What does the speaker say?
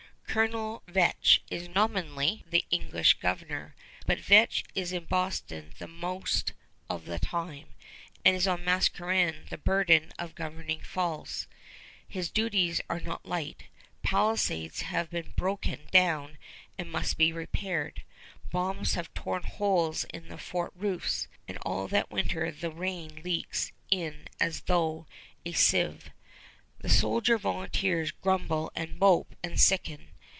Colonel Vetch is nominally the English governor; but Vetch is in Boston the most of the time, and it is on Mascarene the burden of governing falls. His duties are not light. Palisades have been broken down and must be repaired. Bombs have torn holes in the fort roofs, and all that winter the rain leaks in as through a sieve. The soldier volunteers grumble and mope and sicken.